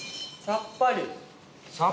さっぱり？